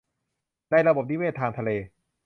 ในระบบนิเวศทางทะเล